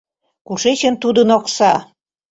— Кушечын тудын окса?